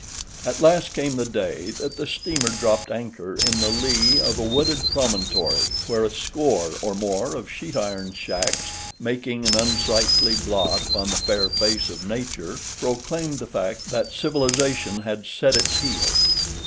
At last came the day that the steamer dropped anchor in the lee of a wooded promontory where a score or more of sheet iron shacks making an unsightly blot upon the fair face of nature proclaimed the fact that civilization had set its heel.